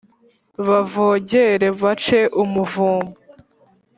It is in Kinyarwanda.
Bavogere bace umuvumba!